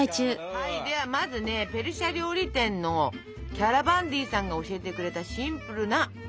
はいではまずねペルシャ料理店のキャラバンディさんが教えてくれたシンプルなシャリバを作ろうと思います。